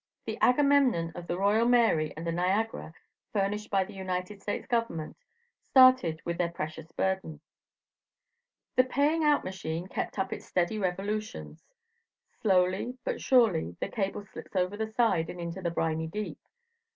The Agamemnon of the Royal Mary and the Niagara, furnished by the United States government, started with their precious burden. The paying out machine kept up its steady revolutions. Slowly, but surely, the cable slips over the side and into the briny deep.